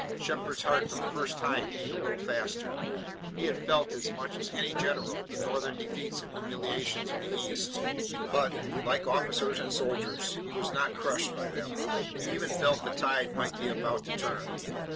Shepard's heart for the first time beat a little faster. He had felt as much as any general the Northern defeats and humiliations in the east, but, like officers and soldiers, he was not crushed by them. He even felt that the tide might be about to turn.